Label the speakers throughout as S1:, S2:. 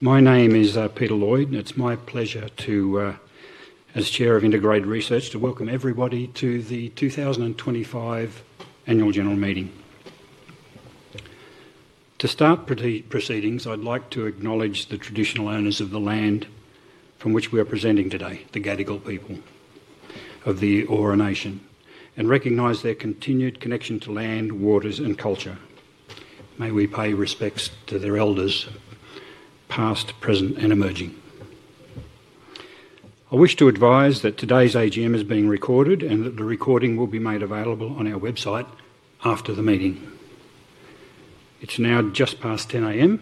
S1: My name is Peter Lloyd, and it's my pleasure, as Chair of Integrated Research, to welcome everybody to the 2025 Annual General Meeting. To start proceedings, I'd like to acknowledge the traditional owners of the land from which we are presenting today, the Gadigal people of the Eora Nation, and recognize their continued connection to land, waters, and culture. May we pay respects to their elders, past, present, and emerging. I wish to advise that today's AGM is being recorded and that the recording will be made available on our website after the meeting. It's now just past 10:00 A.M.,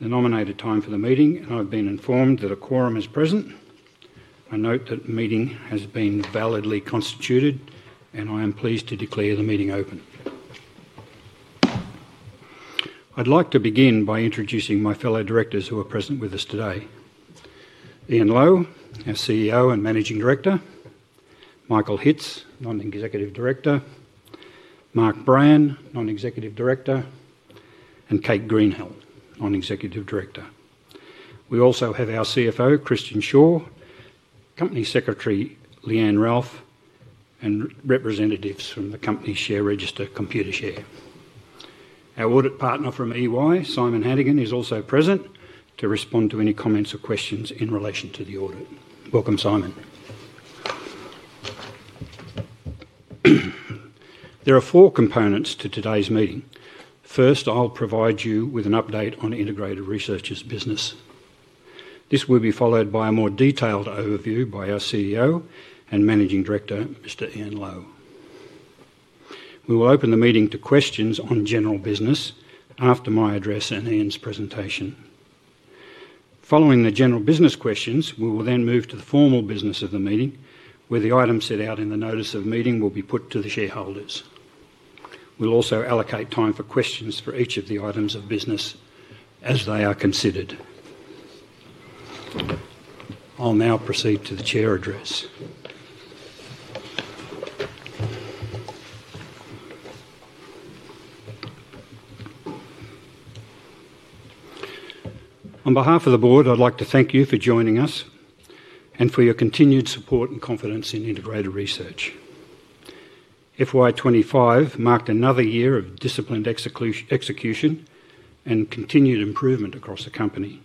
S1: the nominated time for the meeting, and I've been informed that a quorum is present. I note that the meeting has been validly constituted, and I am pleased to declare the meeting open. I'd like to begin by introducing my fellow directors who are present with us today: Ian Lowe, our CEO and Managing Director; Michael Hitz, Non-Executive Director; Mark Brayan, Non-Executive Director; and Kate Greenhill, Non-Executive Director. We also have our CFO, Christian Shaw; Company Secretary, Leanne Ralph; and representatives from the company share register, Computershare. Our audit partner from EY, Simon Hannigan, is also present to respond to any comments or questions in relation to the audit. Welcome, Simon. There are four components to today's meeting. First, I'll provide you with an update on Integrated Research's business. This will be followed by a more detailed overview by our CEO and Managing Director, Mr. Ian Lowe. We will open the meeting to questions on general business after my address and Ian's presentation. Following the general business questions, we will then move to the formal business of the meeting, where the items set out in the notice of meeting will be put to the shareholders. We'll also allocate time for questions for each of the items of business as they are considered. I'll now proceed to the Chair address. On behalf of the Board, I'd like to thank you for joining us and for your continued support and confidence in Integrated Research. FY25 marked another year of disciplined execution and continued improvement across the company.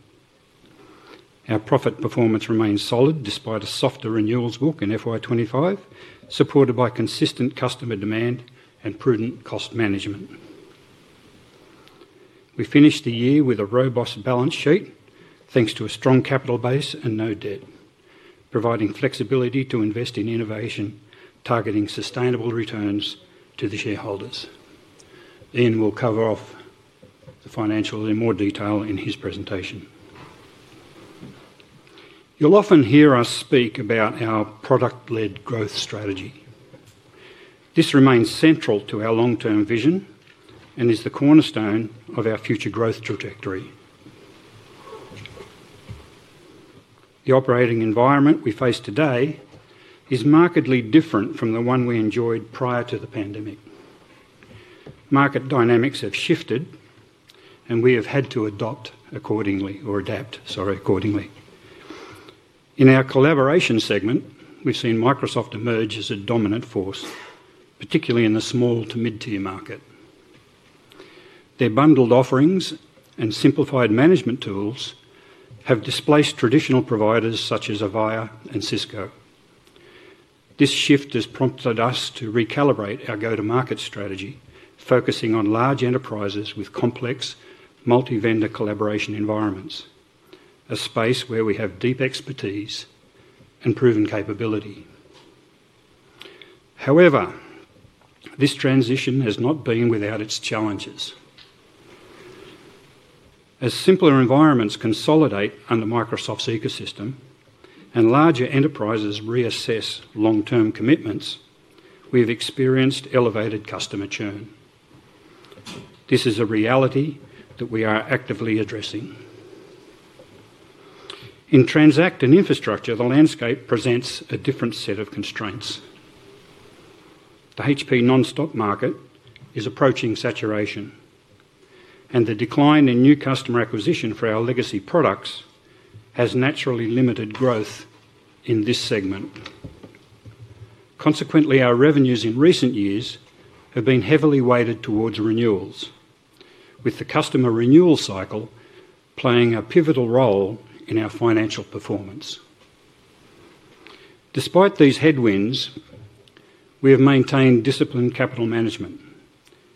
S1: Our profit performance remains solid despite a softer renewals walk in FY25, supported by consistent customer demand and prudent cost management. We finished the year with a robust balance sheet, thanks to a strong capital base and no debt, providing flexibility to invest in innovation targeting sustainable returns to the shareholders. Ian will cover off the financials in more detail in his presentation. You'll often hear us speak about our product-led growth strategy. This remains central to our long-term vision and is the cornerstone of our future growth trajectory. The operating environment we face today is markedly different from the one we enjoyed prior to the pandemic. Market dynamics have shifted, and we have had to adapt accordingly. In our Collaboration segment, we've seen Microsoft emerge as a dominant force, particularly in the small to mid-tier market. Their bundled offerings and simplified management tools have displaced traditional providers such as Avaya and Cisco. This shift has prompted us to recalibrate our go-to-market strategy, focusing on large enterprises with complex multi-vendor collaboration environments, a space where we have deep expertise and proven capability. However, this transition has not been without its challenges. As simpler environments consolidate under Microsoft's ecosystem and larger enterprises reassess long-term commitments, we've experienced elevated customer churn. This is a reality that we are actively addressing. In Transact and Infrastructure, the landscape presents a different set of constraints. The HP NonStop market is approaching saturation, and the decline in new customer acquisition for our legacy products has naturally limited growth in this segment. Consequently, our revenues in recent years have been heavily weighted towards renewals, with the customer renewal cycle playing a pivotal role in our financial performance. Despite these headwinds, we have maintained disciplined capital management,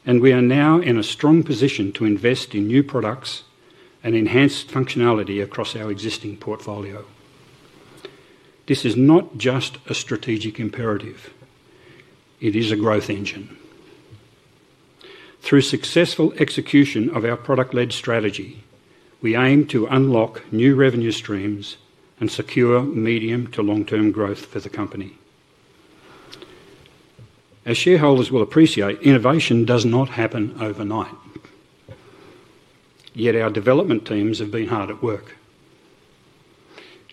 S1: and we are now in a strong position to invest in new products and enhanced functionality across our existing portfolio. This is not just a strategic imperative, it is a growth engine. Through successful execution of our product-led strategy, we aim to unlock new revenue streams and secure medium to long-term growth for the company. As shareholders will appreciate, innovation does not happen overnight, yet our development teams have been hard at work.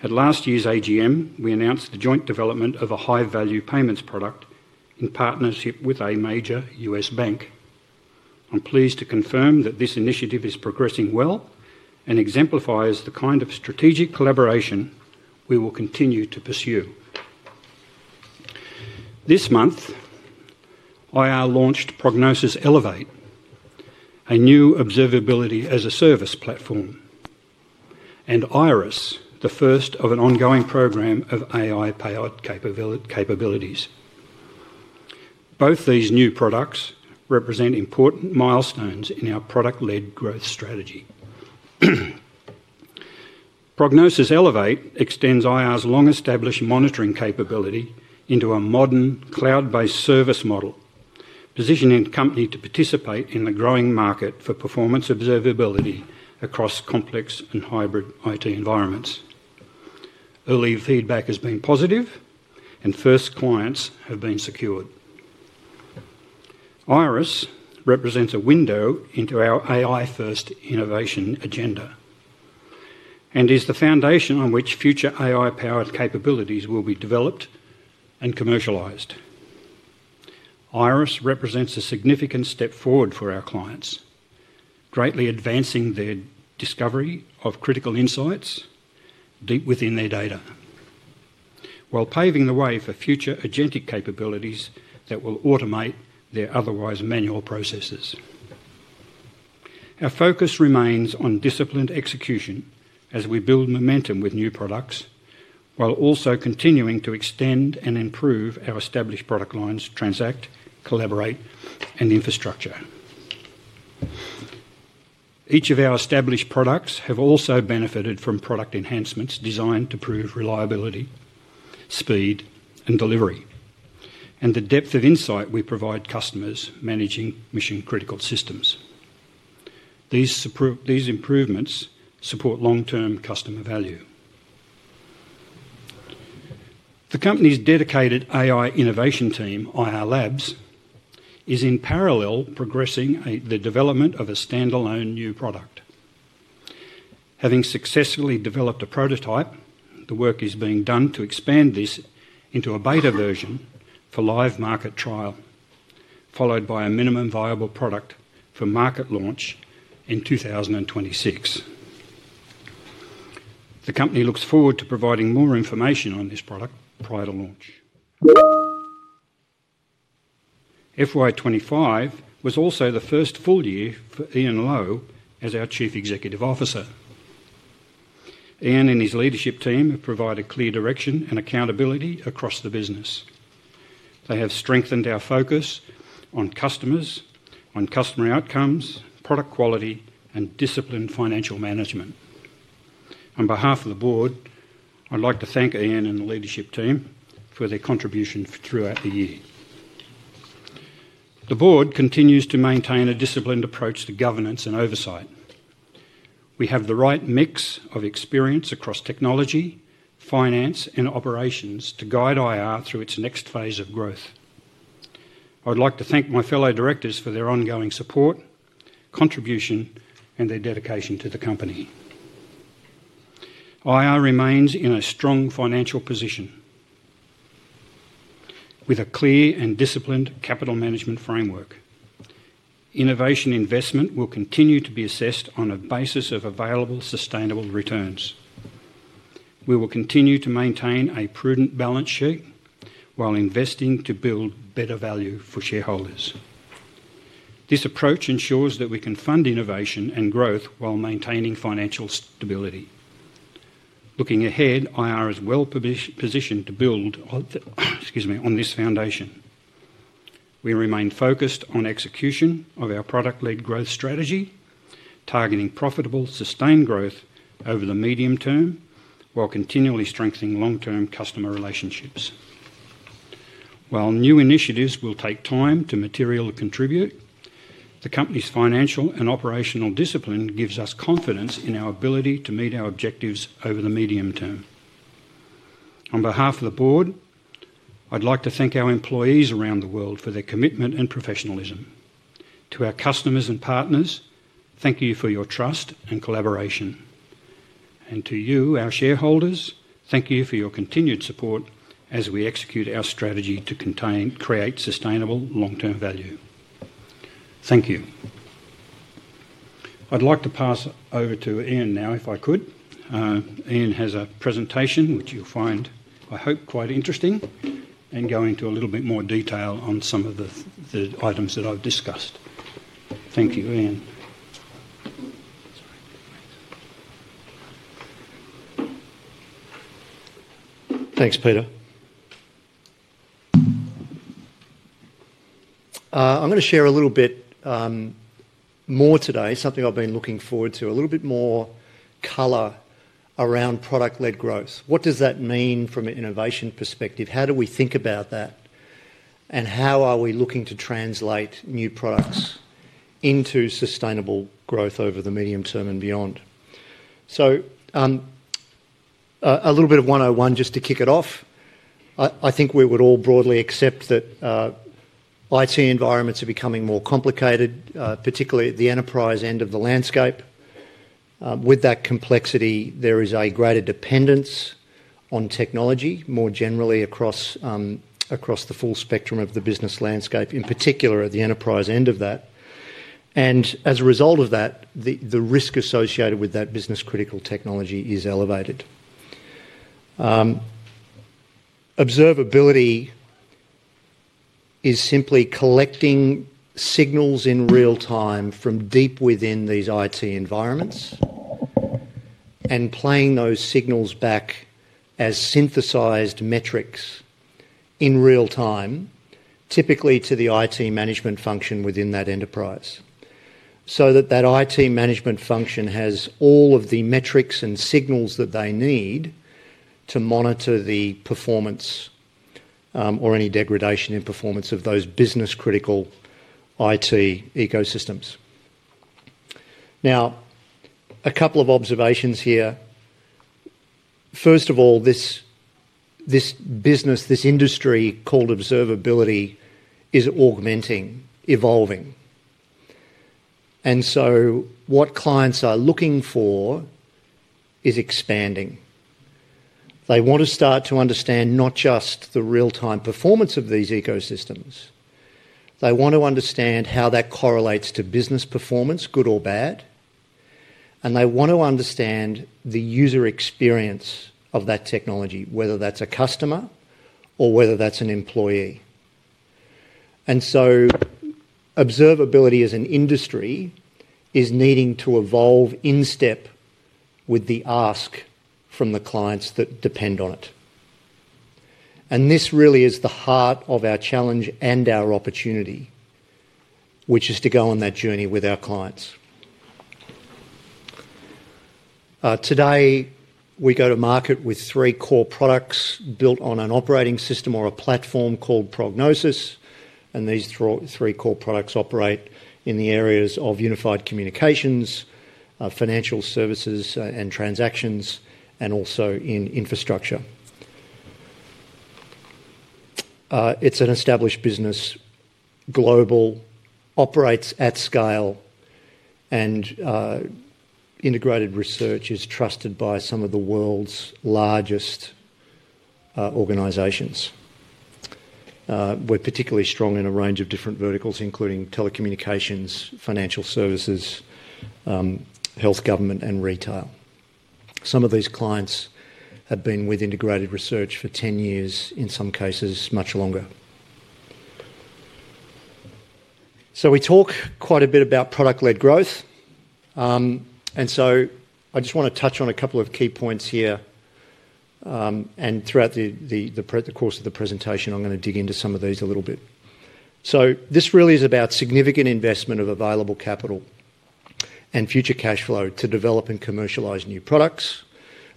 S1: At last year's AGM, we announced the joint development of a high-value payments product in partnership with a major U.S. bank. I'm pleased to confirm that this initiative is progressing well and exemplifies the kind of strategic collaboration we will continue to pursue. This month, IR launched Prognosis Elevate, a new observability-as-a-service platform, and Iris, the first of an ongoing program of AI payout capabilities. Both these new products represent important milestones in our product-led growth strategy. Prognosis Elevate extends IR's long-established monitoring capability into a modern cloud-based service model, positioning the company to participate in the growing market for performance observability across complex and hybrid IT environments. Early feedback has been positive, and first clients have been secured. Iris represents a window into our AI-first innovation agenda and is the foundation on which future AI-powered capabilities will be developed and commercialized. Iris represents a significant step forward for our clients, greatly advancing their discovery of critical insights deep within their data, while paving the way for future agentic capabilities that will automate their otherwise manual processes. Our focus remains on disciplined execution as we build momentum with new products, while also continuing to extend and improve our established product lines, Transact, Collaborate, and Infrastructure. Each of our established products has also benefited from product enhancements designed to prove reliability, speed, and delivery, and the depth of insight we provide customers managing mission-critical systems. These improvements support long-term customer value. The company's dedicated AI innovation team, IR Labs, is in parallel progressing the development of a standalone new product. Having successfully developed a prototype, the work is being done to expand this into a beta version for live market trial, followed by a minimum viable product for market launch in 2026. The company looks forward to providing more information on this product prior to launch. FY25 was also the first full year for Ian Lowe as our Chief Executive Officer. Ian and his leadership team have provided clear direction and accountability across the business. They have strengthened our focus on customers, on customer outcomes, product quality, and disciplined financial management. On behalf of the Board, I'd like to thank Ian and the leadership team for their contribution throughout the year. The Board continues to maintain a disciplined approach to governance and oversight. We have the right mix of experience across technology, finance, and operations to guide IR through its next phase of growth. I'd like to thank my fellow directors for their ongoing support, contribution, and their dedication to the company. IR remains in a strong financial position with a clear and disciplined capital management framework. Innovation investment will continue to be assessed on a basis of available sustainable returns. We will continue to maintain a prudent balance sheet while investing to build better value for shareholders. This approach ensures that we can fund innovation and growth while maintaining financial stability. Looking ahead, IR is well positioned to build on this foundation. We remain focused on execution of our product-led growth strategy, targeting profitable sustained growth over the medium term while continually strengthening long-term customer relationships. While new initiatives will take time to materially contribute, the company's financial and operational discipline gives us confidence in our ability to meet our objectives over the medium term. On behalf of the Board, I'd like to thank our employees around the world for their commitment and professionalism. To our customers and partners, thank you for your trust and collaboration. To you, our shareholders, thank you for your continued support as we execute our strategy to create sustainable long-term value. Thank you. I'd like to pass over to Ian now, if I could. Ian has a presentation which you'll find, I hope, quite interesting and go into a little bit more detail on some of the items that I've discussed. Thank you, Ian.
S2: Thanks, Peter. I'm going to share a little bit more today, something I've been looking forward to, a little bit more color around product-led growth. What does that mean from an innovation perspective? How do we think about that? How are we looking to translate new products into sustainable growth over the medium term and beyond? A little bit of 101 just to kick it off. I think we would all broadly accept that IT environments are becoming more complicated, particularly at the enterprise end of the landscape. With that complexity, there is a greater dependence on technology more generally across the full spectrum of the business landscape, in particular at the enterprise end of that. As a result of that, the risk associated with that business-critical technology is elevated. Observability is simply collecting signals in real time from deep within these IT environments and playing those signals back as synthesized metrics in real time, typically to the IT management function within that enterprise, so that that IT management function has all of the metrics and signals that they need to monitor the performance or any degradation in performance of those business-critical IT ecosystems. Now, a couple of observations here. First of all, this business, this industry called Observability is augmenting, evolving. What clients are looking for is expanding. They want to start to understand not just the real-time performance of these ecosystems. They want to understand how that correlates to business performance, good or bad. They want to understand the user experience of that technology, whether that's a customer or whether that's an employee. Observability as an industry is needing to evolve in step with the ask from the clients that depend on it. This really is the heart of our challenge and our opportunity, which is to go on that journey with our clients. Today, we go to market with three core products built on an operating system or a platform called Prognosis. These three core products operate in the areas of unified communications, financial services, and transactions, and also in infrastructure. It is an established business, global, operates at scale, and Integrated Research is trusted by some of the world's largest organizations. We are particularly strong in a range of different verticals, including telecommunications, financial services, health, government, and retail. Some of these clients have been with Integrated Research for 10 years, in some cases much longer. We talk quite a bit about product-led growth. I just want to touch on a couple of key points here. Throughout the course of the presentation, I'm going to dig into some of these a little bit. This really is about significant investment of available capital and future cash flow to develop and commercialize new products.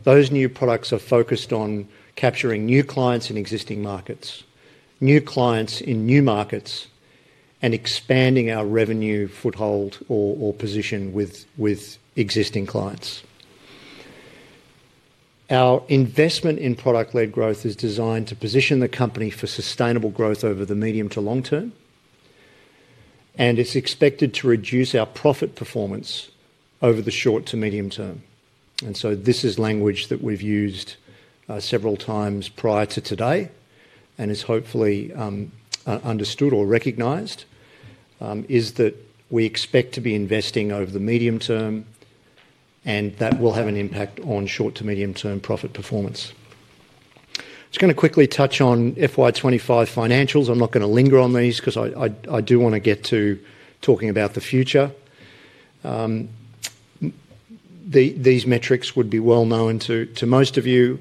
S2: Those new products are focused on capturing new clients in existing markets, new clients in new markets, and expanding our revenue foothold or position with existing clients. Our investment in product-led growth is designed to position the company for sustainable growth over the medium to long term. It is expected to reduce our profit performance over the short to medium term. This is language that we've used several times prior to today and is hopefully understood or recognized, is that we expect to be investing over the medium term, and that will have an impact on short to medium-term profit performance. I'm just going to quickly touch on FY25 financials. I'm not going to linger on these because I do want to get to talking about the future. These metrics would be well known to most of you.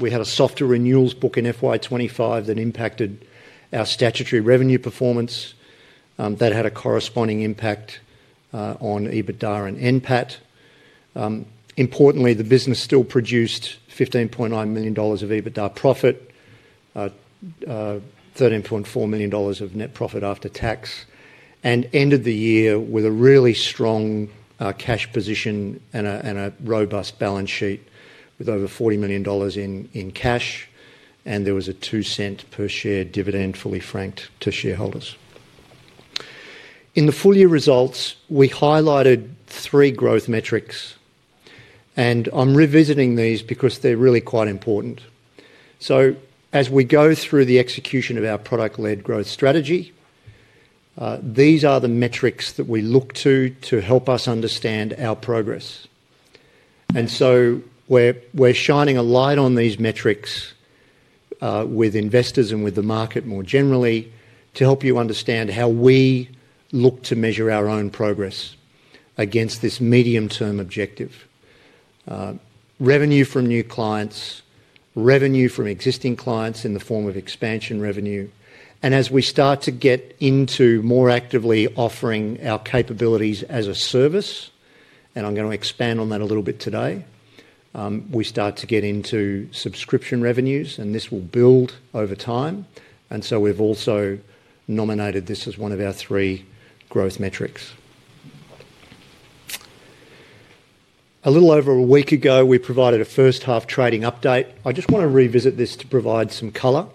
S2: We had a softer renewals book in FY25 that impacted our statutory revenue performance. That had a corresponding impact on EBITDA and NPAT. Importantly, the business still produced 15.9 million dollars of EBITDA profit, 13.4 million dollars of net profit after tax, and ended the year with a really strong cash position and a robust balance sheet with over 40 million dollars in cash. There was a 0.02 per share dividend, fully franked, to shareholders. In the full year results, we highlighted three growth metrics. I am revisiting these because they are really quite important. As we go through the execution of our product-led growth strategy, these are the metrics that we look to to help us understand our progress. We are shining a light on these metrics with investors and with the market more generally to help you understand how we look to measure our own progress against this medium-term objective: revenue from new clients, revenue from existing clients in the form of expansion revenue. As we start to get into more actively offering our capabilities as a service, and I am going to expand on that a little bit today, we start to get into subscription revenues, and this will build over time. We have also nominated this as one of our three growth metrics. A little over a week ago, we provided a first-half trading update. I just want to revisit this to provide some color.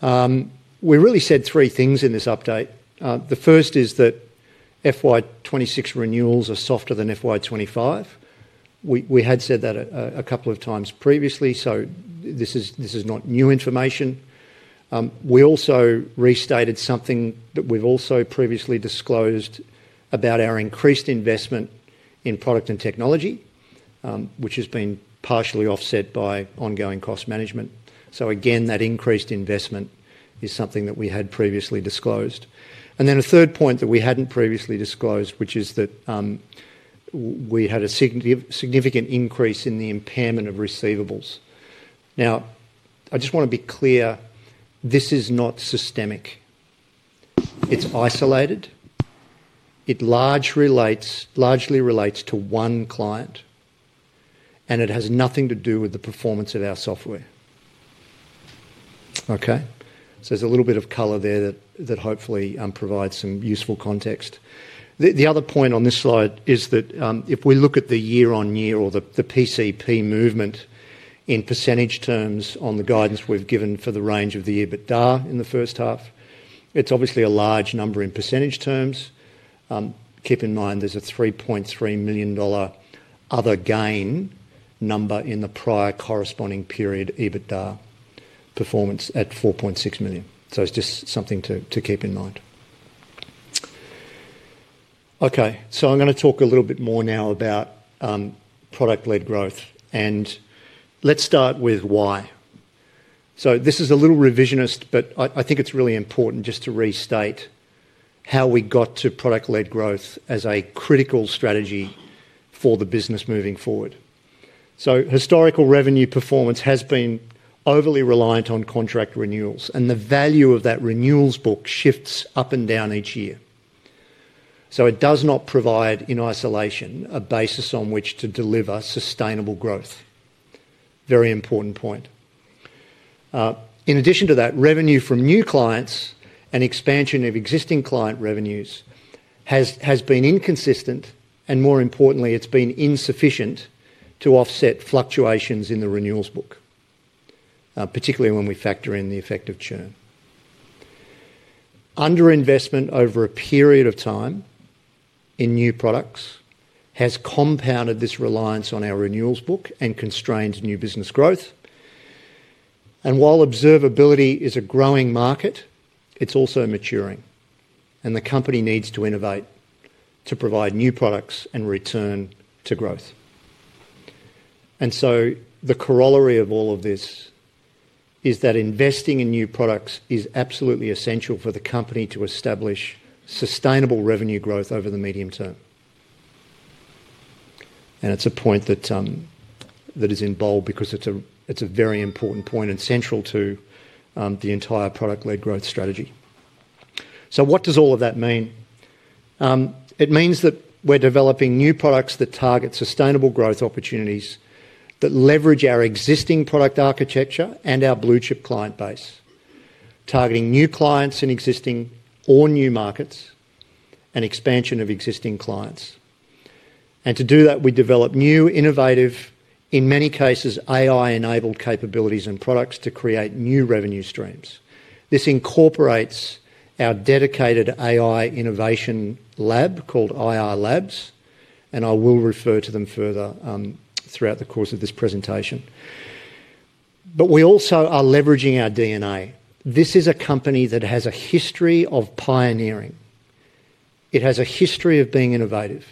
S2: We really said three things in this update. The first is that FY26 renewals are softer than FY25. We had said that a couple of times previously, so this is not new information. We also restated something that we have also previously disclosed about our increased investment in product and technology, which has been partially offset by ongoing cost management. Again, that increased investment is something that we had previously disclosed. A third point that we had not previously disclosed is that we had a significant increase in the impairment of receivables. I just want to be clear, this is not systemic. It is isolated. It largely relates to one client, and it has nothing to do with the performance of our software. Okay? There is a little bit of color there that hopefully provides some useful context. The other point on this slide is that if we look at the year-on-year or the PCP movement in percentage terms on the guidance we have given for the range of the EBITDA in the first half, it is obviously a large number in percentage terms. Keep in mind there is a 3.3 million dollar other gain number in the prior corresponding period EBITDA performance at 4.6 million. It is just something to keep in mind. Okay. I am going to talk a little bit more now about product-led growth. Let us start with why. This is a little revisionist, but I think it's really important just to restate how we got to product-led growth as a critical strategy for the business moving forward. Historical revenue performance has been overly reliant on contract renewals, and the value of that renewals book shifts up and down each year. It does not provide in isolation a basis on which to deliver sustainable growth. Very important point. In addition to that, revenue from new clients and expansion of existing client revenues has been inconsistent, and more importantly, it's been insufficient to offset fluctuations in the renewals book, particularly when we factor in the effect of churn. Underinvestment over a period of time in new products has compounded this reliance on our renewals book and constrained new business growth. While observability is a growing market, it's also maturing. The company needs to innovate to provide new products and return to growth. The corollary of all of this is that investing in new products is absolutely essential for the company to establish sustainable revenue growth over the medium term. It is a point that is in bold because it is a very important point and central to the entire product-led growth strategy. What does all of that mean? It means that we are developing new products that target sustainable growth opportunities that leverage our existing product architecture and our blue-chip client base, targeting new clients in existing or new markets and expansion of existing clients. To do that, we develop new innovative, in many cases, AI-enabled capabilities and products to create new revenue streams. This incorporates our dedicated AI innovation lab called IR Labs, and I will refer to them further throughout the course of this presentation. We also are leveraging our DNA. This is a company that has a history of pioneering. It has a history of being innovative.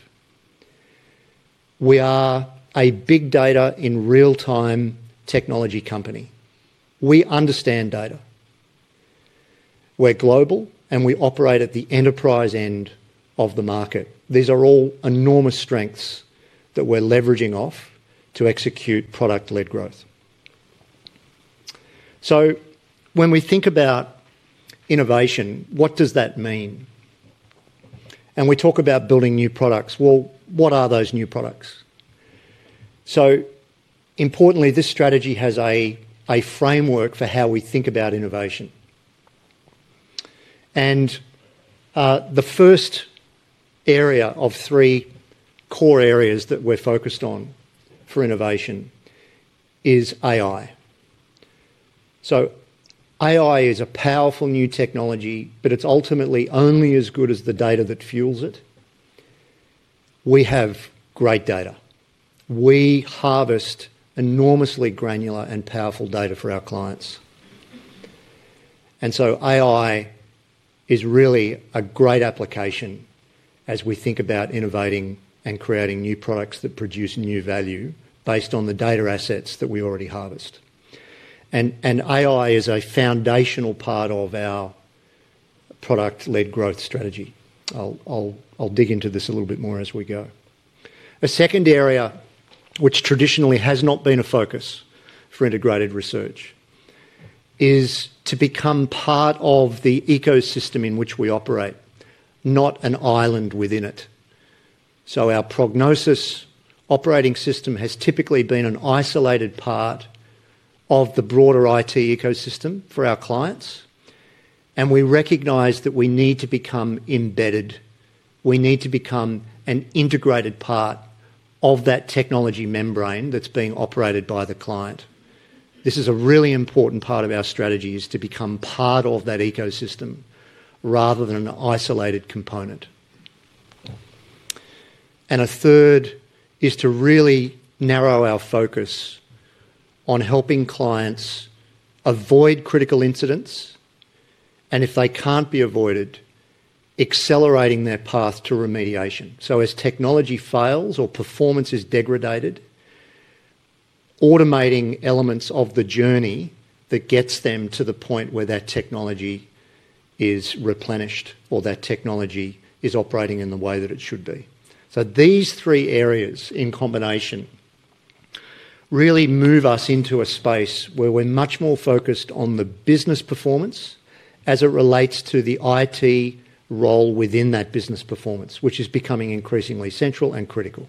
S2: We are a big data in real-time technology company. We understand data. We're global, and we operate at the enterprise end of the market. These are all enormous strengths that we're leveraging off to execute product-led growth. When we think about innovation, what does that mean? We talk about building new products. What are those new products? Importantly, this strategy has a framework for how we think about innovation. The first area of three core areas that we're focused on for innovation is AI. AI is a powerful new technology, but it is ultimately only as good as the data that fuels it. We have great data. We harvest enormously granular and powerful data for our clients. AI is really a great application as we think about innovating and creating new products that produce new value based on the data assets that we already harvest. AI is a foundational part of our product-led growth strategy. I will dig into this a little bit more as we go. A second area, which traditionally has not been a focus for Integrated Research, is to become part of the ecosystem in which we operate, not an island within it. Our Prognosis operating system has typically been an isolated part of the broader IT ecosystem for our clients. We recognize that we need to become embedded. We need to become an integrated part of that technology membrane that's being operated by the client. This is a really important part of our strategy to become part of that ecosystem rather than an isolated component. And third is to really narrow our focus on helping clients avoid critical incidents. If they can't be avoided, accelerating their path to remediation. As technology fails or performance is degraded, automating elements of the journey that gets them to the point where that technology is replenished or that technology is operating in the way that it should be. These three areas in combination really move us into a space where we're much more focused on the business performance as it relates to the IT role within that business performance, which is becoming increasingly central and critical.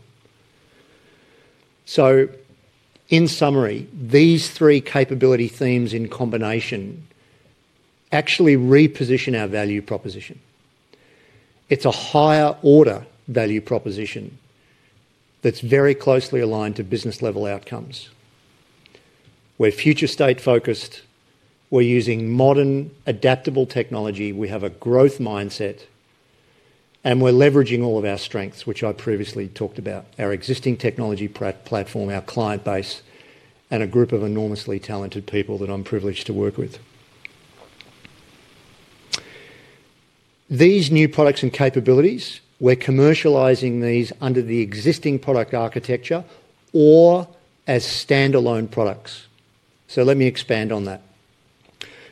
S2: In summary, these three capability themes in combination actually reposition our value proposition. It is a higher-order value proposition that is very closely aligned to business-level outcomes. We are future-state focused. We are using modern, adaptable technology. We have a growth mindset. We are leveraging all of our strengths, which I previously talked about: our existing technology platform, our client base, and a group of enormously talented people that I am privileged to work with. These new products and capabilities, we are commercializing these under the existing product architecture or as standalone products. Let me expand on that.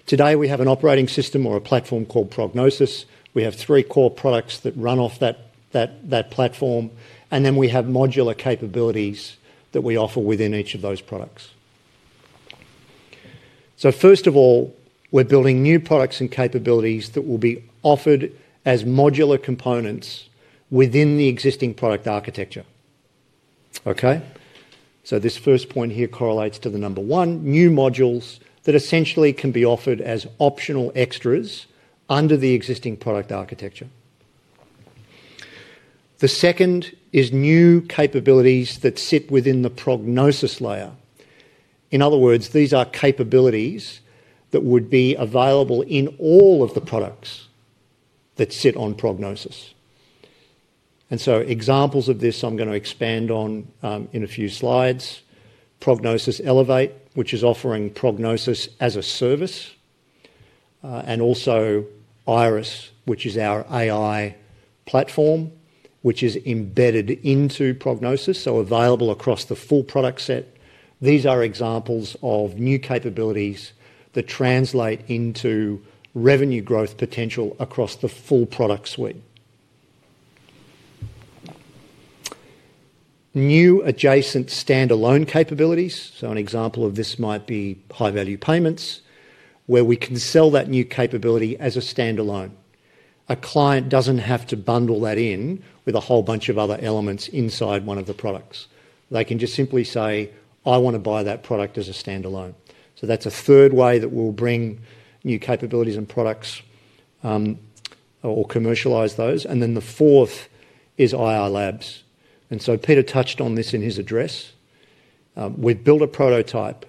S2: Today, we have an operating system or a platform called Prognosis. We have three core products that run off that platform. Then we have modular capabilities that we offer within each of those products. First of all, we're building new products and capabilities that will be offered as modular components within the existing product architecture. Okay? This first point here correlates to the number one: new modules that essentially can be offered as optional extras under the existing product architecture. The second is new capabilities that sit within the Prognosis layer. In other words, these are capabilities that would be available in all of the products that sit on Prognosis. Examples of this I'm going to expand on in a few slides: Prognosis Elevate, which is offering Prognosis as a service, and also Iris, which is our AI platform, which is embedded into Prognosis, so available across the full product set. These are examples of new capabilities that translate into revenue growth potential across the full product suite. New adjacent standalone capabilities. An example of this might be high-value payments, where we can sell that new capability as a standalone. A client does not have to bundle that in with a whole bunch of other elements inside one of the products. They can just simply say, "I want to buy that product as a standalone." That is a third way that we will bring new capabilities and products or commercialize those. The fourth is IR Labs. Peter touched on this in his address. We have built a prototype.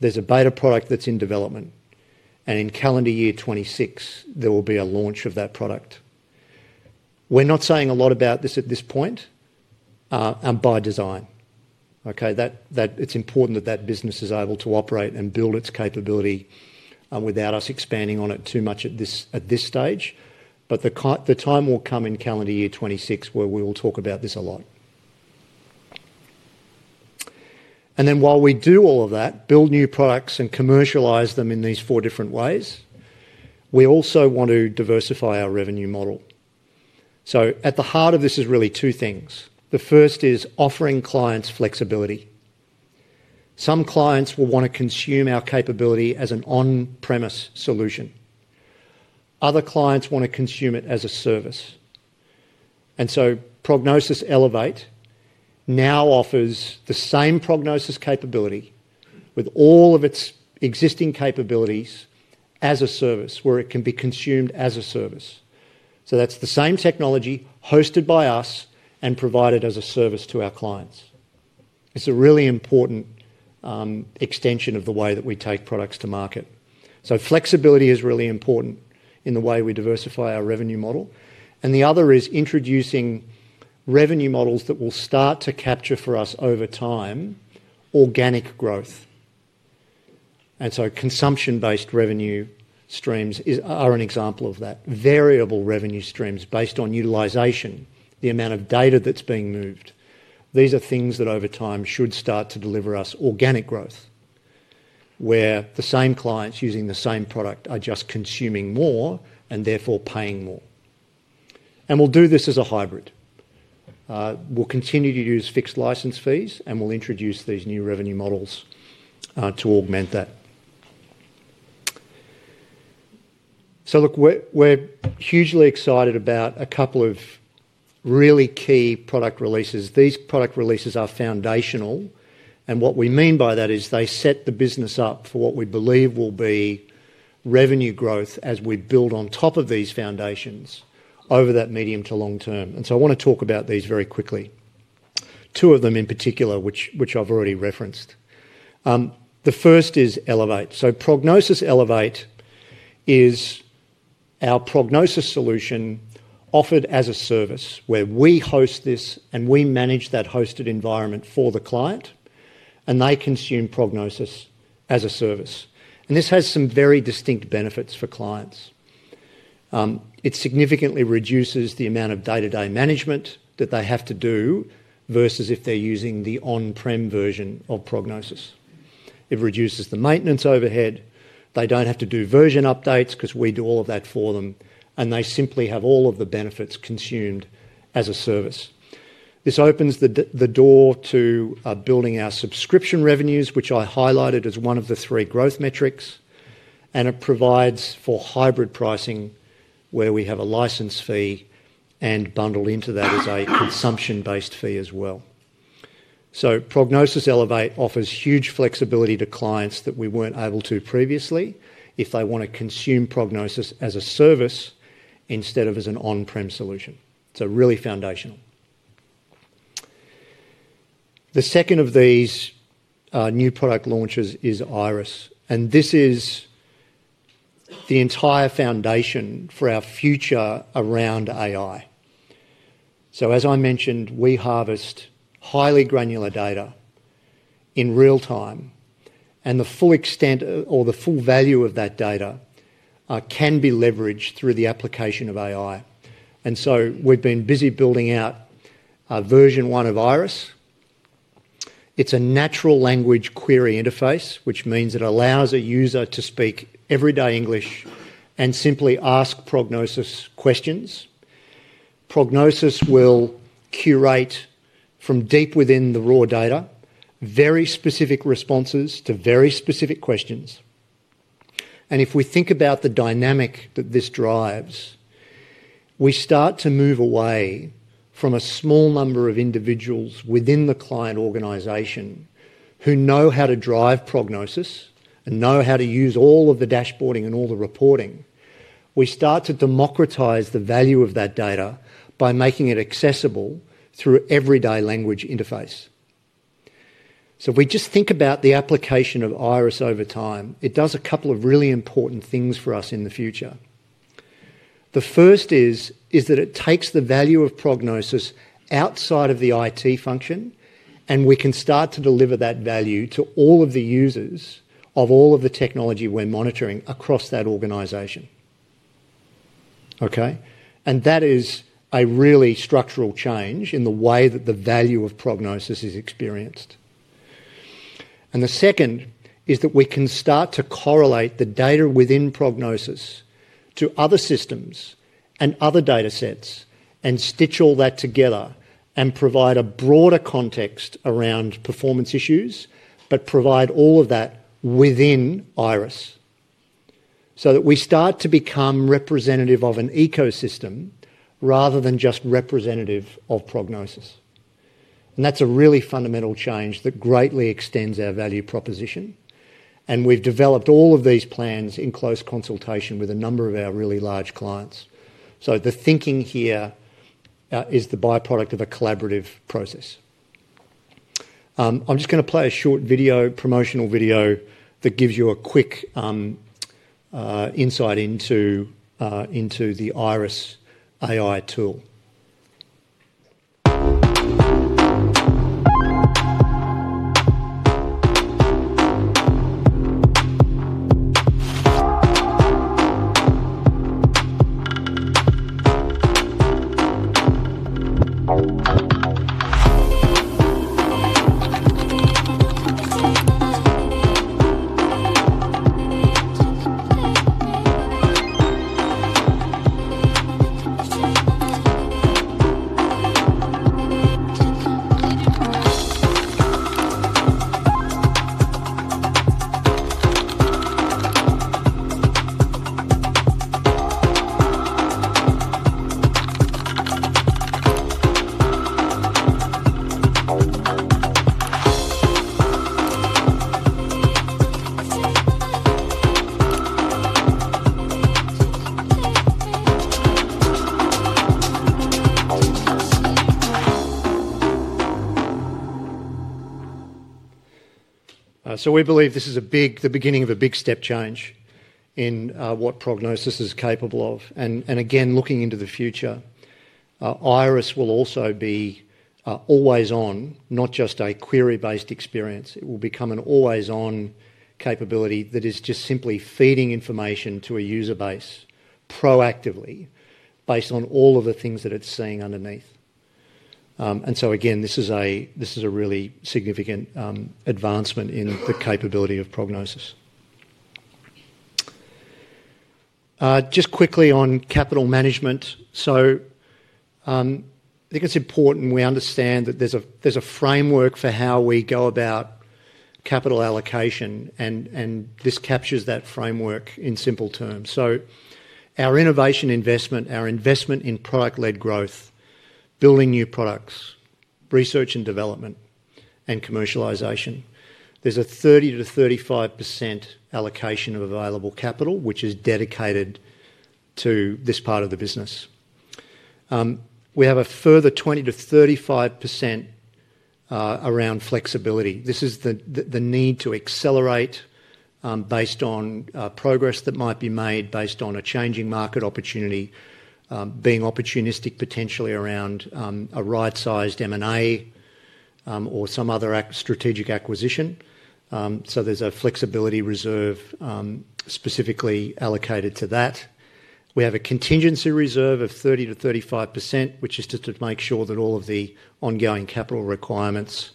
S2: There is a beta product that is in development. In calendar year 2026, there will be a launch of that product. We are not saying a lot about this at this point by design. It is important that that business is able to operate and build its capability without us expanding on it too much at this stage. The time will come in calendar year 2026 where we will talk about this a lot. While we do all of that, build new products and commercialize them in these four different ways, we also want to diversify our revenue model. At the heart of this is really two things. The first is offering clients flexibility. Some clients will want to consume our capability as an on-premise solution. Other clients want to consume it as a service. Prognosis Elevate now offers the same Prognosis capability with all of its existing capabilities as a service, where it can be consumed as a service. That is the same technology hosted by us and provided as a service to our clients. It is a really important extension of the way that we take products to market. Flexibility is really important in the way we diversify our revenue model. The other is introducing revenue models that will start to capture for us over time organic growth. Consumption-based revenue streams are an example of that: variable revenue streams based on utilization, the amount of data that's being moved. These are things that over time should start to deliver us organic growth, where the same clients using the same product are just consuming more and therefore paying more. We'll do this as a hybrid. We'll continue to use fixed license fees, and we'll introduce these new revenue models to augment that. Look, we're hugely excited about a couple of really key product releases. These product releases are foundational. What we mean by that is they set the business up for what we believe will be revenue growth as we build on top of these foundations over that medium to long term. I want to talk about these very quickly. Two of them in particular, which I've already referenced. The first is Elevate. Prognosis Elevate is our Prognosis solution offered as a service where we host this and we manage that hosted environment for the client, and they consume Prognosis as a service. This has some very distinct benefits for clients. It significantly reduces the amount of day-to-day management that they have to do versus if they're using the on-prem version of Prognosis. It reduces the maintenance overhead. They do not have to do version updates because we do all of that for them, and they simply have all of the benefits consumed as a service. This opens the door to building our subscription revenues, which I highlighted as one of the three growth metrics. It provides for hybrid pricing, where we have a license fee and bundle into that as a consumption-based fee as well. Prognosis Elevate offers huge flexibility to clients that we were not able to previously if they want to consume Prognosis as a service instead of as an on-prem solution. It is really foundational. The second of these new product launches is Iris. This is the entire foundation for our future around AI. As I mentioned, we harvest highly granular data in real time, and the full extent or the full value of that data can be leveraged through the application of AI. We have been busy building out version one of Iris. It's a natural language query interface, which means it allows a user to speak everyday English and simply ask Prognosis questions. Prognosis will curate from deep within the raw data very specific responses to very specific questions. If we think about the dynamic that this drives, we start to move away from a small number of individuals within the client organization who know how to drive Prognosis and know how to use all of the dashboarding and all the reporting. We start to democratize the value of that data by making it accessible through everyday language interface. If we just think about the application of Iris over time, it does a couple of really important things for us in the future. The first is that it takes the value of Prognosis outside of the IT function, and we can start to deliver that value to all of the users of all of the technology we're monitoring across that organisation. Okay? That is a really structural change in the way that the value of Prognosis is experienced. The second is that we can start to correlate the data within Prognosis to other systems and other datasets and stitch all that together and provide a broader context around performance issues, but provide all of that within Iris so that we start to become representative of an ecosystem rather than just representative of Prognosis. That is a really fundamental change that greatly extends our value proposition. We have developed all of these plans in close consultation with a number of our really large clients. The thinking here is the byproduct of a collaborative process. I am just going to play a short promotional video that gives you a quick insight into the Iris AI tool. We believe this is the beginning of a big step change in what Prognosis is capable of. Looking into the future, Iris will also be always-on, not just a query-based experience. It will become an always-on capability that is simply feeding information to a user base proactively based on all of the things that it is seeing underneath. This is a really significant advancement in the capability of Prognosis. Just quickly on capital management. I think it's important we understand that there's a framework for how we go about capital allocation, and this captures that framework in simple terms. Our innovation investment, our investment in product-led growth, building new products, research and development, and commercialization, there's a 30%-35% allocation of available capital, which is dedicated to this part of the business. We have a further 20%-35% around flexibility. This is the need to accelerate based on progress that might be made based on a changing market opportunity, being opportunistic potentially around a right-sized M&A or some other strategic acquisition. There's a flexibility reserve specifically allocated to that. We have a contingency reserve of 30%-35%, which is just to make sure that all of the ongoing capital requirements,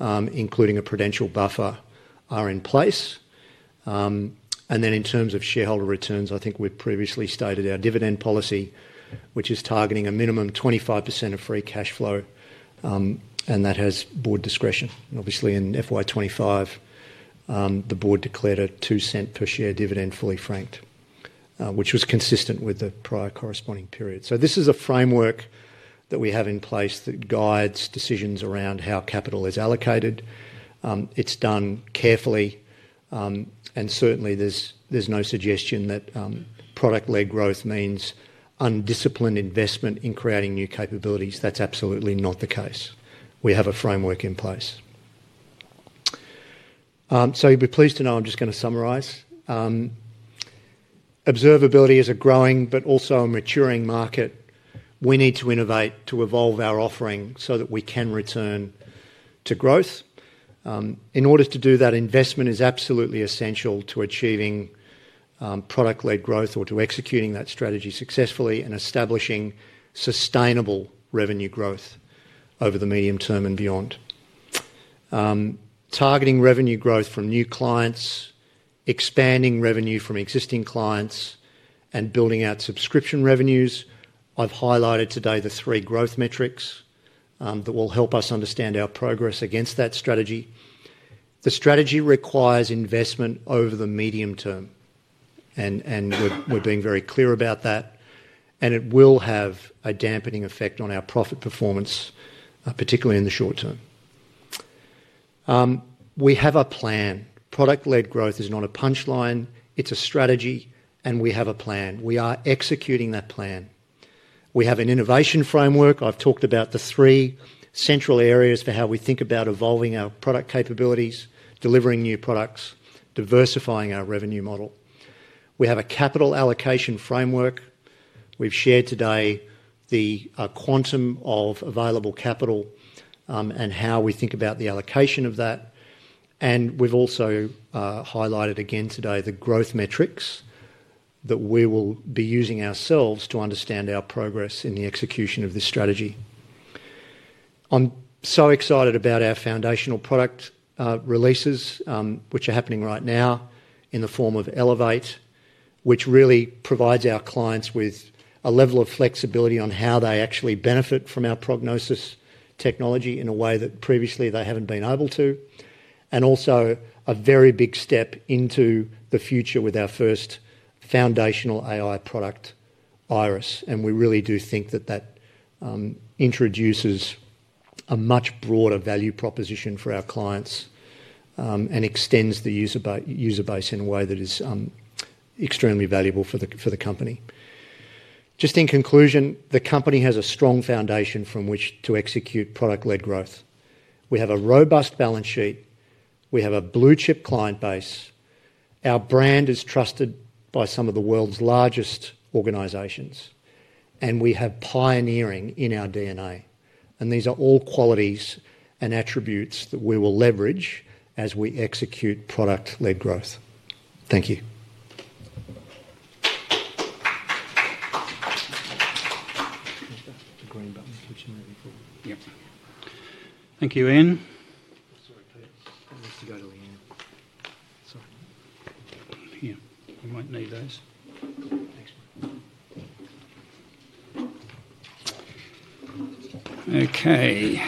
S2: including a prudential buffer, are in place. In terms of shareholder returns, I think we've previously stated our dividend policy, which is targeting a minimum 25% of free cash flow, and that has board discretion. Obviously, in FY25, the Board declared a 0.02 per share dividend fully franked, which was consistent with the prior corresponding period. This is a framework that we have in place that guides decisions around how capital is allocated. It's done carefully. Certainly, there's no suggestion that product-led growth means undisciplined investment in creating new capabilities. That's absolutely not the case. We have a framework in place. You'll be pleased to know I'm just going to summarize. Observability is a growing but also a maturing market. We need to innovate to evolve our offering so that we can return to growth. In order to do that, investment is absolutely essential to achieving product-led growth or to executing that strategy successfully and establishing sustainable revenue growth over the medium term and beyond. Targeting revenue growth from new clients, expanding revenue from existing clients, and building out subscription revenues. I have highlighted today the three growth metrics that will help us understand our progress against that strategy. The strategy requires investment over the medium term, and we are being very clear about that. It will have a dampening effect on our profit performance, particularly in the short term. We have a plan. Product-led growth is not a punchline. It is a strategy, and we have a plan. We are executing that plan. We have an innovation framework. I have talked about the three central areas for how we think about evolving our product capabilities, delivering new products, diversifying our revenue model. We have a capital allocation framework. We've shared today the quantum of available capital and how we think about the allocation of that. We've also highlighted again today the growth metrics that we will be using ourselves to understand our progress in the execution of this strategy. I'm so excited about our foundational product releases, which are happening right now in the form of Elevate, which really provides our clients with a level of flexibility on how they actually benefit from our Prognosis technology in a way that previously they haven't been able to. Also a very big step into the future with our first foundational AI product, Iris. We really do think that that introduces a much broader value proposition for our clients and extends the user base in a way that is extremely valuable for the company. Just in conclusion, the company has a strong foundation from which to execute product-led growth. We have a robust balance sheet. We have a blue-chip client base. Our brand is trusted by some of the world's largest organizations, and we have pioneering in our DNA. These are all qualities and attributes that we will leverage as we execute product-led growth. Thank you.
S3: The green button switching over for. Yep.
S1: Thank you, Ian. Sorry, Pete. That needs to go to Ian. Sorry. Yeah. You won't need those. Next one. Okay.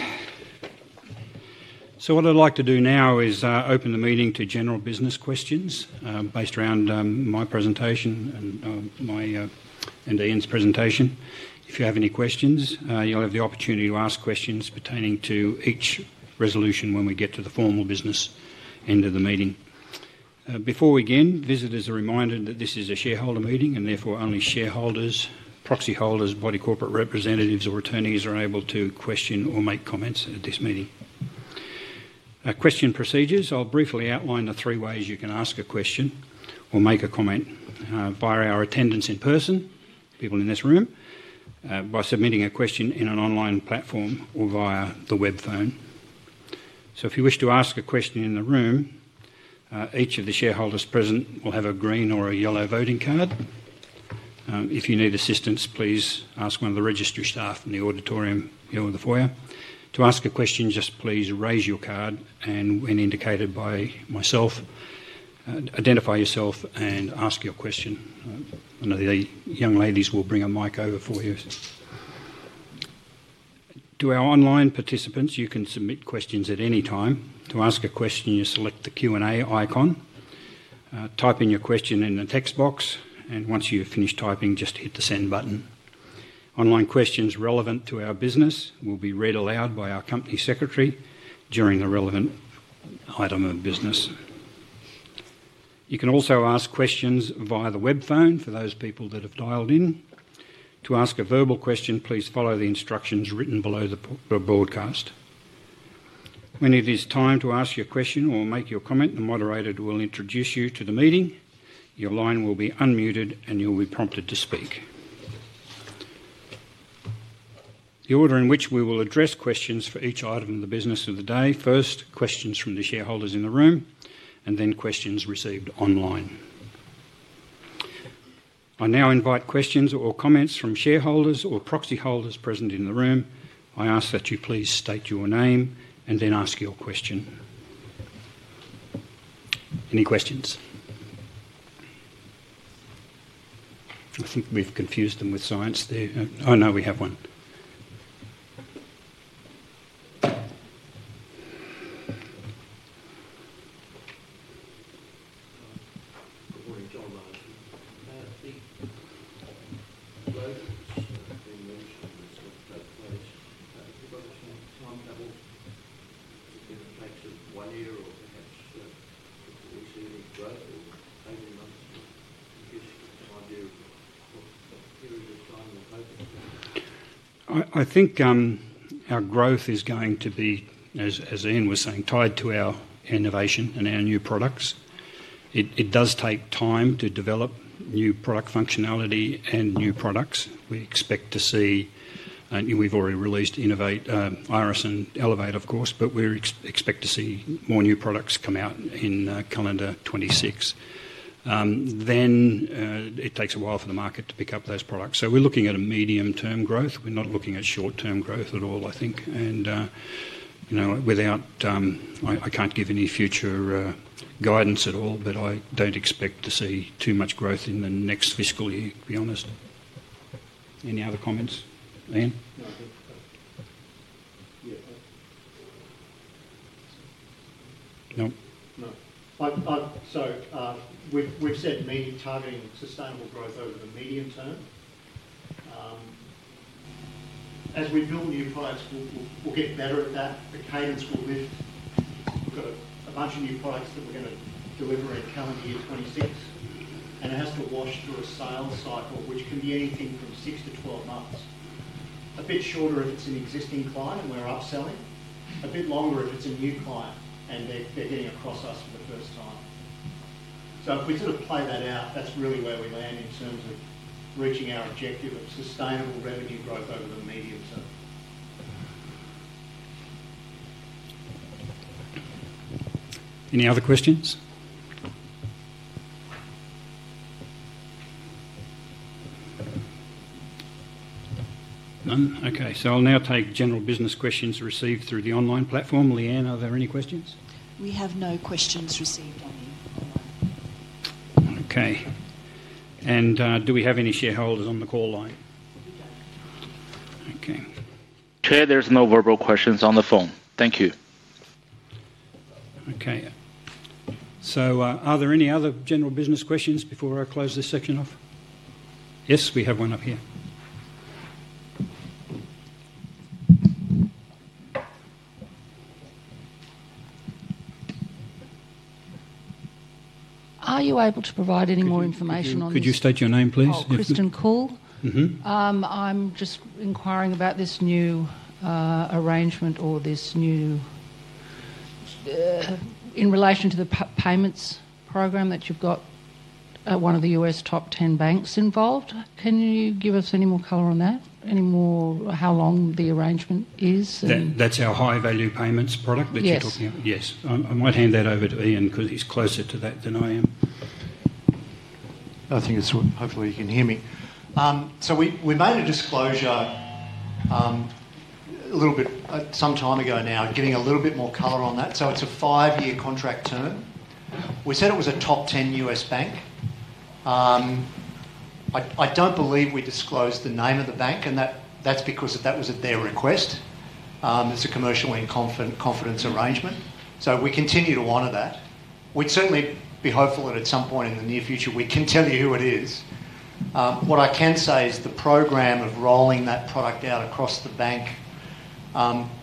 S1: What I'd like to do now is open the meeting to general business questions based around my presentation and Ian's presentation. If you have any questions, you'll have the opportunity to ask questions pertaining to each resolution when we get to the formal business end of the meeting. Before we begin, visitors are reminded that this is a shareholder meeting and therefore only shareholders, proxy holders, body corporate representatives, or attorneys are able to question or make comments at this meeting. Question procedures. I'll briefly outline the three ways you can ask a question or make a comment via our attendance in person, people in this room, by submitting a question in an online platform or via the web phone. If you wish to ask a question in the room, each of the shareholders present will have a green or a yellow voting card. If you need assistance, please ask one of the registry staff in the auditorium here with the foyer. To ask a question, just please raise your card and, when indicated by myself, identify yourself and ask your question. One of the young ladies will bring a mic over for you. To our online participants, you can submit questions at any time. To ask a question, you select the Q&A icon, type in your question in the text box, and once you've finished typing, just hit the send button. Online questions relevant to our business will be read aloud by our Company Secretary during the relevant item of business. You can also ask questions via the web phone for those people that have dialed in. To ask a verbal question, please follow the instructions written below the broadcast. When it is time to ask your question or make your comment, the moderator will introduce you to the meeting. Your line will be unmuted, and you'll be prompted to speak. The order in which we will address questions for each item of the business of the day: first, questions from the shareholders in the room, and then questions received online. I now invite questions or comments from shareholders or proxy holders present in the room. I ask that you please state your name and then ask your question. Any questions? I think we've confused them with science there. Oh, no, we have one.
S4: Good morning, John here. The global that's been mentioned is that there's a lot of time doubles in the face of one year or perhaps do we see any global table months? Just an idea of what period of time we're hoping for.
S1: I think our growth is going to be, as Ian was saying, tied to our innovation and our new products. It does take time to develop new product functionality and new products. We expect to see—we've already released Innovate, Iris, and Elevate, of course—but we expect to see more new products come out in calendar 2026. It takes a while for the market to pick up those products. We are looking at medium-term growth. We are not looking at short-term growth at all, I think. Without—I cannot give any future guidance at all, but I do not expect to see too much growth in the next fiscal year, to be honest. Any other comments? Ian.
S2: No. We have said targeting sustainable growth over the medium term. As we build new products, we will get better at that. The cadence will lift. We have a bunch of new products that we are going to deliver in calendar year 2026, and it has to wash through a sales cycle, which can be anything from 6-12 months. It is a bit shorter if it is an existing client and we are upselling. It is a bit longer if it is a new client and they are getting across us for the first time. If we sort of play that out, that's really where we land in terms of reaching our objective of sustainable revenue growth over the medium term.
S1: Any other questions? None? Okay. I'll now take general business questions received through the online platform. Leanne, are there any questions?
S5: We have no questions received on the online.
S1: Okay. Do we have any shareholders on the call line? We don't. Okay.
S3: Chair, there's no verbal questions on the phone. Thank you.
S1: Okay. Are there any other general business questions before I close this section off? Yes, we have one up here.
S6: Are you able to provide any more information on this?
S1: Could you state your name, please?
S6: I'm Kristen Cool. I'm just inquiring about this new arrangement or this new—in relation to the payments program that you've got at one of the U.S. top 10 banks involved. Can you give us any more color on that? Any more how long the arrangement is?
S1: That's our high-value payments product that you're talking about?
S6: Yes.
S1: Yes. I might hand that over to Ian because he's closer to that than I am.
S2: I think it's hopefully you can hear me. We made a disclosure a little bit some time ago now, getting a little bit more color on that. It's a five-year contract term. We said it was a top 10 U.S. bank. I don't believe we disclosed the name of the bank, and that's because that was at their request. It's a commercial and confidence arrangement. We continue to honor that. We'd certainly be hopeful that at some point in the near future, we can tell you who it is. What I can say is the program of rolling that product out across the bank,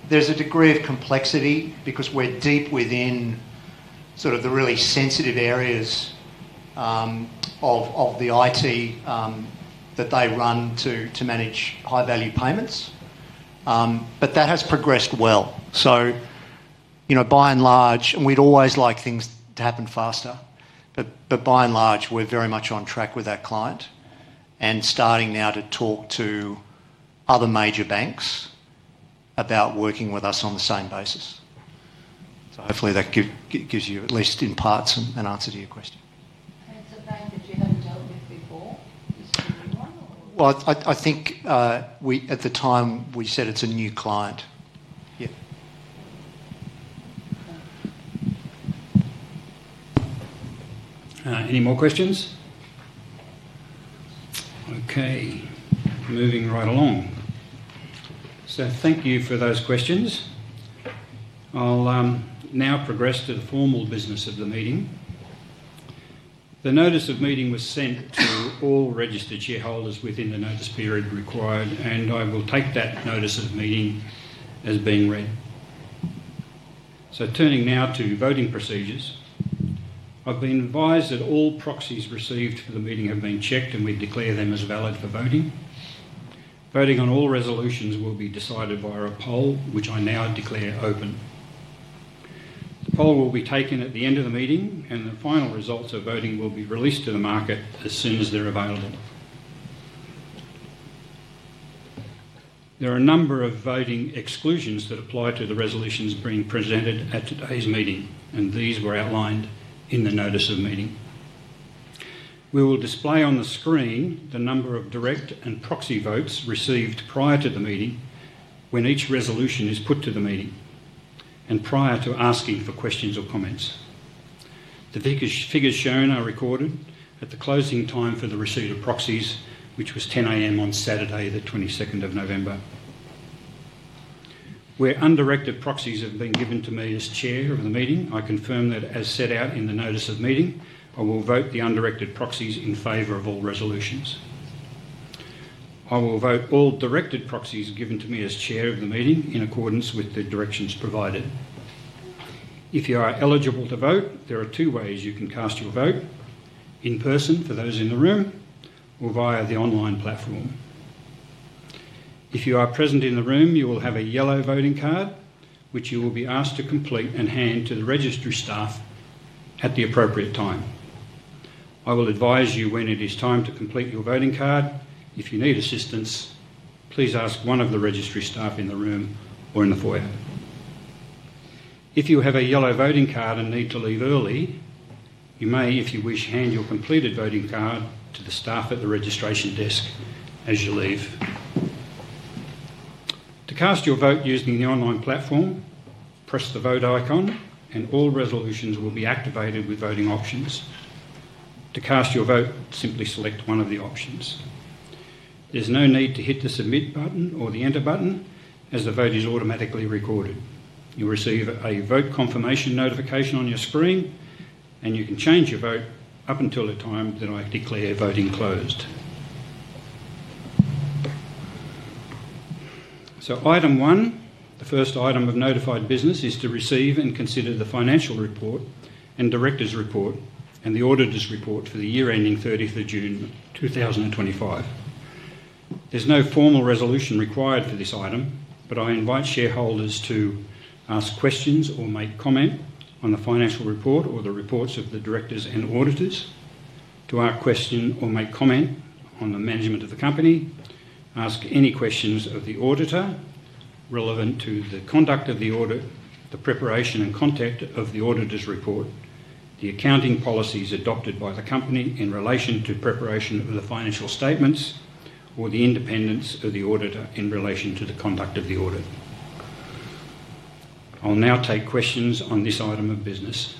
S2: there's a degree of complexity because we're deep within sort of the really sensitive areas of the IT that they run to manage high-value payments. That has progressed well. By and large, and we'd always like things to happen faster, by and large, we're very much on track with our client and starting now to talk to other major banks about working with us on the same basis. Hopefully that gives you, at least in parts, an answer to your question.
S6: It's a bank that you haven't dealt with before. Is it a new one or?
S2: I think at the time we said it's a new client. Yeah.
S1: Any more questions? Okay. Moving right along. Thank you for those questions. I'll now progress to the formal business of the meeting. The notice of meeting was sent to all registered shareholders within the notice period required, and I will take that notice of meeting as being read. Turning now to voting procedures. I've been advised that all proxies received for the meeting have been checked, and we declare them as valid for voting. Voting on all resolutions will be decided via a poll, which I now declare open. The poll will be taken at the end of the meeting, and the final results of voting will be released to the market as soon as they're available. There are a number of voting exclusions that apply to the resolutions being presented at today's meeting, and these were outlined in the notice of meeting. We will display on the screen the number of direct and proxy votes received prior to the meeting when each resolution is put to the meeting and prior to asking for questions or comments. The figures shown are recorded at the closing time for the receipt of proxies, which was 10:00 A.M. on Saturday, the 22nd of November. Where undirected proxies have been given to me as Chair of the meeting, I confirm that as set out in the notice of meeting, I will vote the undirected proxies in favor of all resolutions. I will vote all directed proxies given to me as Chair of the meeting in accordance with the directions provided. If you are eligible to vote, there are two ways you can cast your vote: in person for those in the room or via the online platform. If you are present in the room, you will have a yellow voting card, which you will be asked to complete and hand to the registry staff at the appropriate time. I will advise you when it is time to complete your voting card. If you need assistance, please ask one of the registry staff in the room or in the foyer. If you have a yellow voting card and need to leave early, you may, if you wish, hand your completed voting card to the staff at the registration desk as you leave. To cast your vote using the online platform, press the vote icon, and all resolutions will be activated with voting options. To cast your vote, simply select one of the options. There's no need to hit the submit button or the enter button as the vote is automatically recorded. You'll receive a vote confirmation notification on your screen, and you can change your vote up until the time that I declare voting closed. Item one, the first item of notified business, is to receive and consider the financial report and Director's report and the auditor's report for the year ending 30th of June 2025. There is no formal resolution required for this item, but I invite shareholders to ask questions or make comment on the financial report or the reports of the Directors and auditors, to ask a question or make comment on the management of the company, ask any questions of the auditor relevant to the conduct of the audit, the preparation and content of the auditor's report, the accounting policies adopted by the company in relation to preparation of the financial statements, or the independence of the auditor in relation to the conduct of the audit. I'll now take questions on this item of business.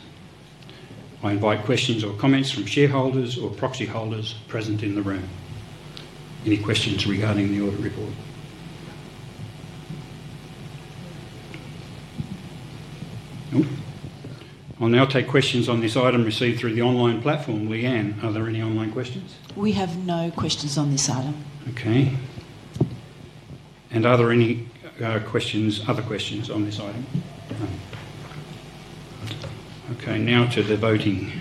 S1: I invite questions or comments from shareholders or proxy holders present in the room. Any questions regarding the audit report? Nope. I'll now take questions on this item received through the online platform. Leanne, are there any online questions?
S5: We have no questions on this item.
S1: Okay. Are there any other questions on this item? No. Okay. Now to the voting.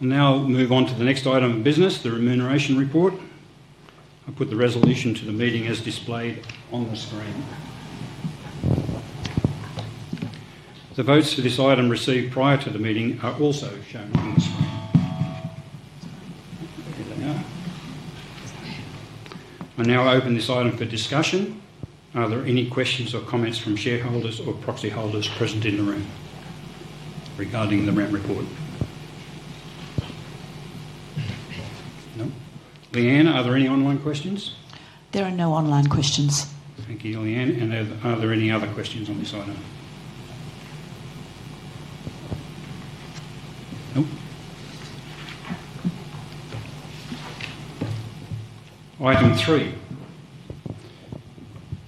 S1: I'll now move on to the next item of business, the remuneration report. I'll put the resolution to the meeting as displayed on the screen. The votes for this item received prior to the meeting are also shown on the screen. Here they are. I now open this item for discussion. Are there any questions or comments from shareholders or proxy holders present in the room regarding the ramp report? Nope. Leanne, are there any online questions?
S5: There are no online questions.
S1: Thank you, Leanne. Are there any other questions on this item? Nope. Item three,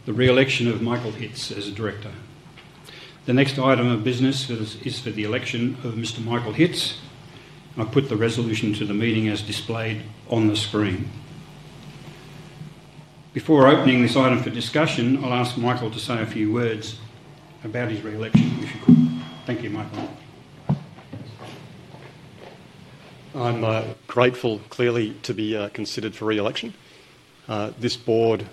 S1: the reelection of Michael Hitz as a director. The next item of business is for the election of Mr. Michael Hitz. I'll put the resolution to the meeting as displayed on the screen. Before opening this item for discussion, I'll ask Michael to say a few words about his reelection, if you could. Thank you, Michael.
S7: I'm grateful, clearly, to be considered for reelection. This board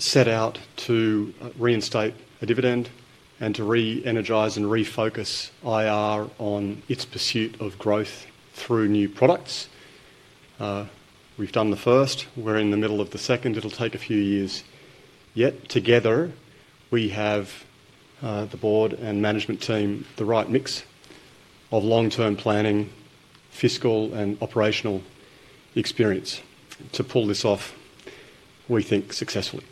S7: set out to reinstate a dividend and to re-energize and refocus IR on its pursuit of growth through new products. We've done the first. We're in the middle of the second. It'll take a few years yet. Together, we have the board and management team, the right mix of long-term planning, fiscal, and operational experience to pull this off, we think, successfully.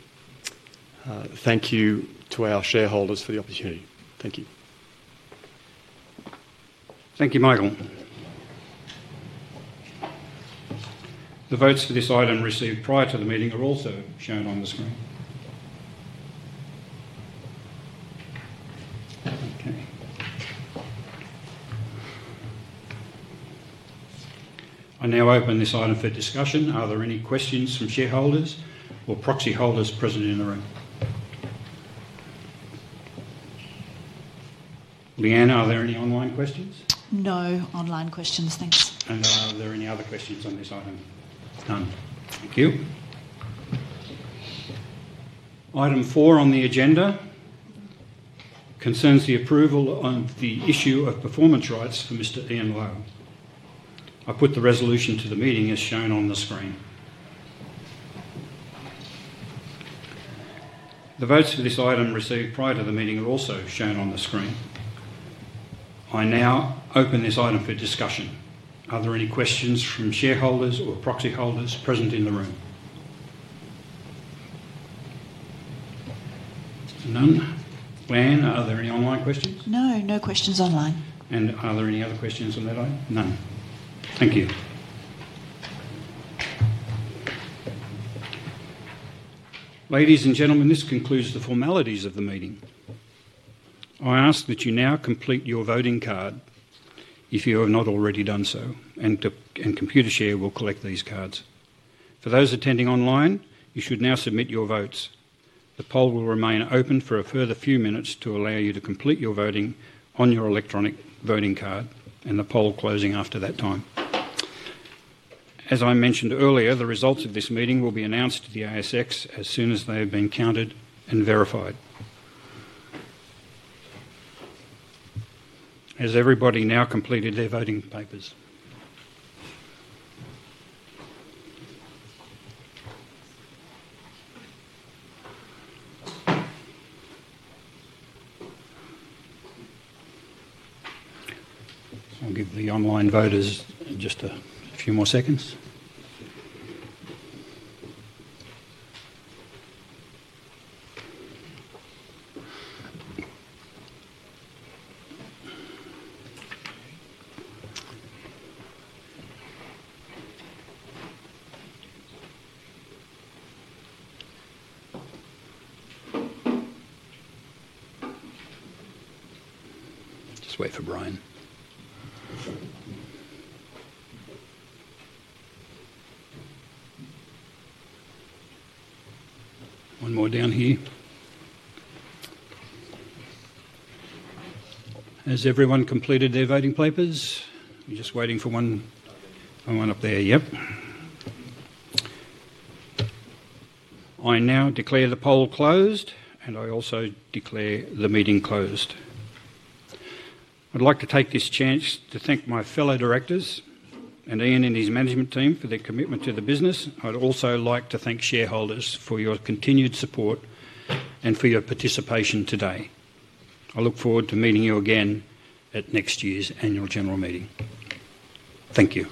S7: Thank you to our shareholders for the opportunity. Thank you.
S1: Thank you, Michael. The votes for this item received prior to the meeting are also shown on the screen. Okay. I now open this item for discussion. Are there any questions from shareholders or proxy holders present in the room? Leanne, are there any online questions?
S5: No online questions. Thanks.
S1: Are there any other questions on this item? None. Thank you. Item four on the agenda concerns the approval of the issue of performance rights for Mr. Ian Lowe. I'll put the resolution to the meeting as shown on the screen. The votes for this item received prior to the meeting are also shown on the screen. I now open this item for discussion. Are there any questions from shareholders or proxy holders present in the room? None. Leanne, are there any online questions?
S5: No, no questions online.
S1: Are there any other questions on that item? None. Thank you. Ladies and gentlemen, this concludes the formalities of the meeting. I ask that you now complete your voting card if you have not already done so, and Computershare will collect these cards. For those attending online, you should now submit your votes. The poll will remain open for a further few minutes to allow you to complete your voting on your electronic voting card, and the poll will close after that time. As I mentioned earlier, the results of this meeting will be announced to the ASX as soon as they have been counted and verified. Has everybody now completed their voting papers? I'll give the online voters just a few more seconds. Just wait for Brian. One more down here. Has everyone completed their voting papers? Just waiting for one up there. Yep. I now declare the poll closed, and I also declare the meeting closed. I'd like to take this chance to thank my fellow directors and Ian and his management team for their commitment to the business. I'd also like to thank shareholders for your continued support and for your participation today. I look forward to meeting you again at next year's annual general meeting. Thank you.